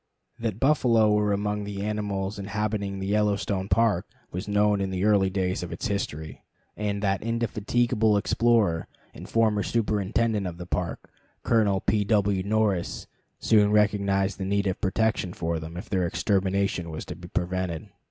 That buffalo were among the animals inhabiting the Yellowstone Park was known in the early days of its history; and that indefatigable explorer and former superintendent of the Park, Colonel P. W. Norris, soon recognized the need of protection for them if their extermination was to be prevented.